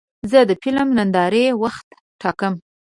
زه د فلم د نندارې وخت ټاکم.